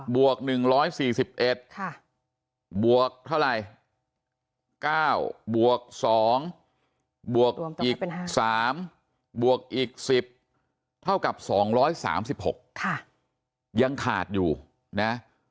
วก๑๔๑บวกเท่าไหร่๙บวก๒บวกอีก๓บวกอีก๑๐เท่ากับ๒๓๖ยังขาดอยู่นะ